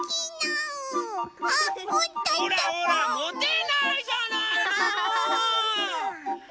ほらほらもてないじゃないの！